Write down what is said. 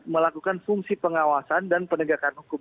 melakukan fungsi pengawasan dan penegakan hukum